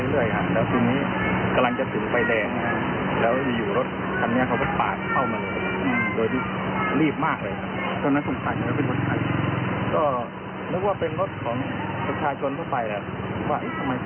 ตกใจมั้ยครับก่อนนี้ตกใจบีบแสลั่น